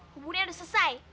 hubungannya udah selesai